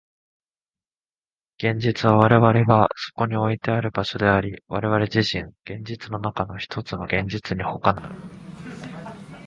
現実は我々がそこにおいてある場所であり、我々自身、現実の中のひとつの現実にほかならぬ。